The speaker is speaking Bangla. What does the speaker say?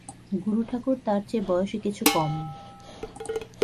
গুরুঠাকুর তাঁর চেয়ে বয়সে কিছু কম।